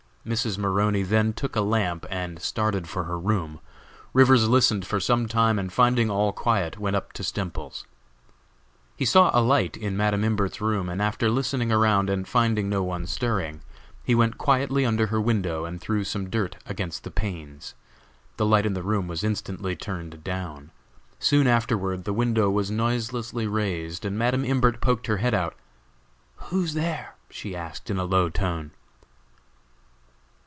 Mrs. Maroney then took a lamp and started for her room. Rivers listened for some time, and finding all quiet, went up to Stemples's. He saw a light in Madam Imbert's room, and after listening around, and finding no one stirring, he went quietly under her window and threw some dirt against the panes. The light in the room was instantly turned down. Soon afterward, the window was noiselessly raised, and Madam Imbert poked her head out. "Who's there?" she asked, in a low tone.